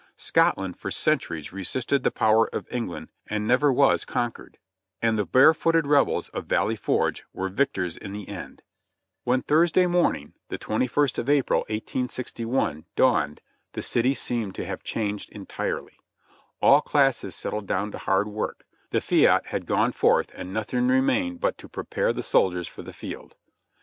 Scotland for centuries resisted the power of England and never was conquered ; and the barefooted rebels of Valley Forge were victors in the end. ' UFE IN THE BARRACKS 23 When Thursday mornuig, the 21st of April, 1861, dawned, the city seemed to have changed entirely. All classes settled down to hard work, the fiat had gone forth and nothing remained but to prepare the soldiers for the field.